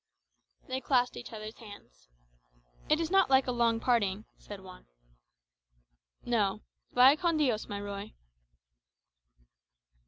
They clasped each other's hands. "It is not like a long parting," said Juan. "No. Vaya con Dios, my Ruy."